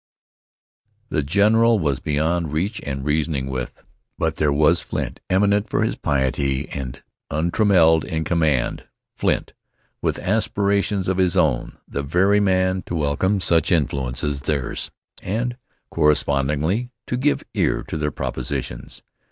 The general was beyond reach and reasoning with, but there was Flint, eminent for his piety, and untrammelled in command; Flint, with aspirations of his own, the very man to welcome such influence as theirs, and, correspondingly, to give ear to their propositions.